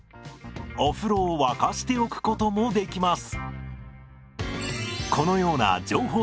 お風呂を沸かしておくこともできます。